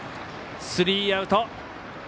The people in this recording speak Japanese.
スリーアウト。